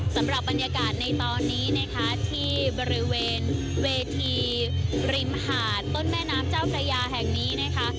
สำหรับบรรยากาศในตอนนี้นะคะที่บริเวณเวทีริมหาดต้นแม่น้ำเจ้าพระยาแห่งนี้นะคะ